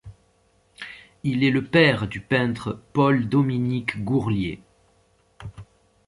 Il est le père du peintre Paul-Dominique Gourlier.